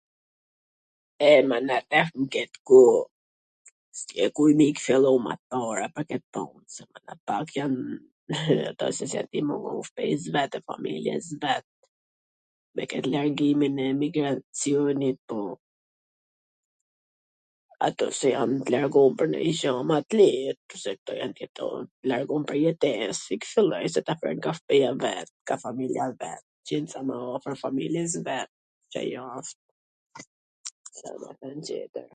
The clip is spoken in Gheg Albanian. e mana tash nw ket koh, s ke ku me i kshillu ... se s ja di vetes vet familjes vet, me ket largimin e emigracionit, po, ato ai jan largu powr nonj gja po...